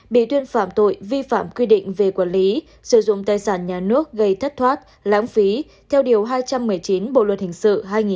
bị tuyên phạm tội vi phạm quy định về quản lý sử dụng tài sản nhà nước gây thất thoát lãng phí theo điều hai trăm một mươi chín bộ luật hình sự hai nghìn một mươi năm